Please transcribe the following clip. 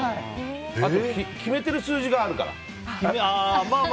決めてる数字があるから。